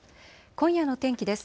今夜の天気です。